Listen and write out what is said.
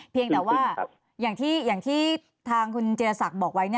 เพียงแต่ว่าอย่างที่ทางคุณจิรศักดิ์บอกไว้